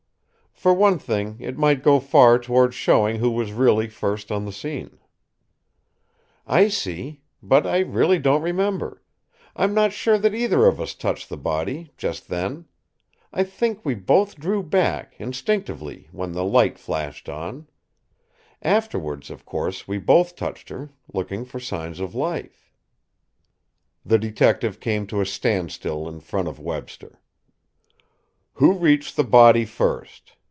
"For one thing, it might go far toward showing who was really first on the scene." "I see; but I really don't remember. I'm not sure that either of us touched the body just then. I think we both drew back, instinctively, when the light flashed on. Afterwards, of course, we both touched her looking for signs of life." The detective came to a standstill in front of Webster. "Who reached the body first?